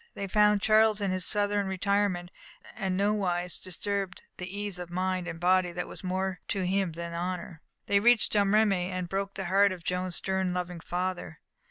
They found Charles in his southern retirement, and nowise disturbed the ease of mind and body that was more to him than honour. They reached Domremy, and broke the heart of Joan's stern, loving father.